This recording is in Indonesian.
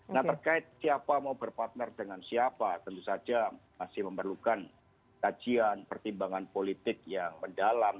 nah terkait siapa mau berpartner dengan siapa tentu saja masih memerlukan kajian pertimbangan politik yang mendalam